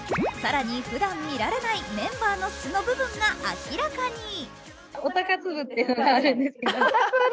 更に、ふだん見られないメンバーの素の部分が明らかに。